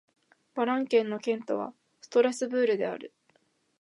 バ＝ラン県の県都はストラスブールである